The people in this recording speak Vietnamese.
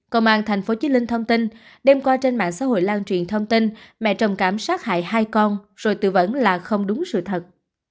công an tp hcm đem qua trên mạng xã hội lan truyền thông tin mẹ trồng cảm sát hại hai con rồi tự vẫn là không đúng sự thật